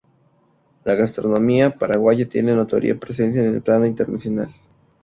La gastronomía paraguaya tiene notoria presencia en el plano internacional.